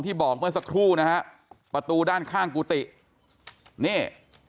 บอกเมื่อสักครู่นะฮะประตูด้านข้างกุฏินี่